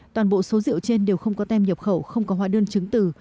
toàn bộ số rượu trên đều không có tem nhập khẩu không có hóa đơn chứng từ